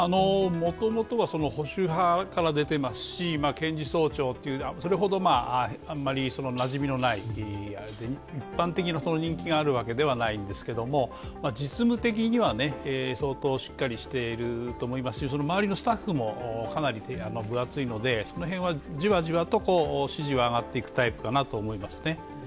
もともとは保守派から出てますし、検事総長という、それほどなじみのない、一般的な人気があるわけではないんですけれども実務的には相当しっかりしていると思いますし、周りのスタッフもかなり分厚いので、その辺はじわじわと支持は上がっていくタイプかなと思いますね。